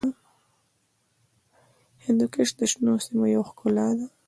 هندوکش د شنو سیمو یوه ښکلا ده.